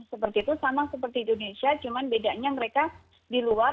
seperti itu sama seperti indonesia cuma bedanya mereka di luar